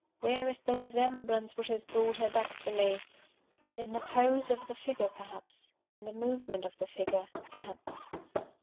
Where is the resemblance which has brought her back to me? In the pose of the figure, perhaps. In the movement of the figure, perhaps.